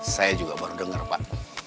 saya juga baru dengar pak